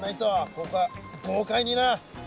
ここは豪快にな！